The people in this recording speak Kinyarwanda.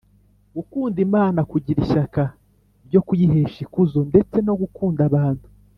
” gukunda imana, kugira ishyaka ryo kuyihesha ikuzo ndetse no gukunda abantu